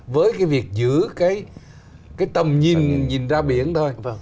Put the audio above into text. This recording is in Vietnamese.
với cái việc giữ cái tầm nhìn nhìn ra biển thôi